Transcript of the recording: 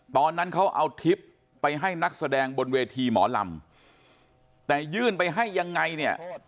ตอนนั้นเขาเอาทริปไปให้นักแสดงบนเวทีหมอลำแต่ยื่นไปให้ยังไงเนี่ย